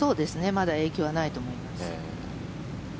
まだ影響はないと思います。